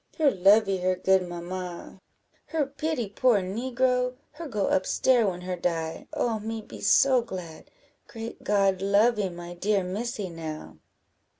her lovee her good mamma her pity poor negro her go up stair when her die. Oh, me be so glad! great God lovee my dear Missy now!"